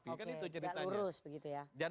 gak lurus begitu ya